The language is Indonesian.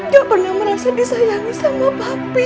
dia pernah merasa disayangi sama bapi